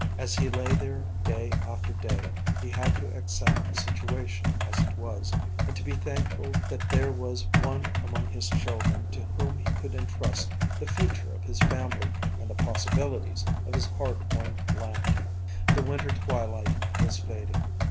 As he lay there day after day he had to accept the situation as it was, and to be thankful that there was one among his children to whom he could entrust the future of his family and the possibilities of his hard won land. The winter twilight was fading.